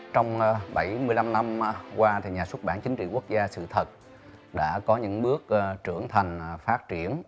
trong bảy mươi năm năm qua nhà xuất bản chính trị quốc gia sự thật đã có những bước trưởng thành phát triển